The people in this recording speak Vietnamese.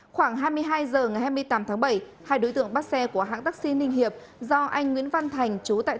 khoảng hai mươi hai giờ ngày hai mươi tám tháng bảy hai đối tượng bắt xe của hãng taxi ninh hiệp do anh nguyễn văn thành